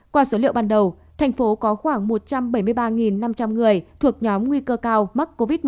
qua số liệu ban đầu thành phố có khoảng một trăm bảy mươi ba năm trăm linh người thuộc nhóm nguy cơ cao mắc covid một mươi chín